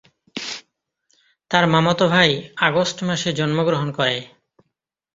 তার মামাতো ভাই আগস্ট মাসে জন্মগ্রহণ করে।